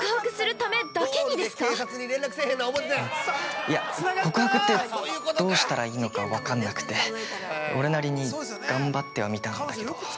いや、告白ってどうしたらいいのか分かんなくて、俺なりに頑張ってはみたんだけど。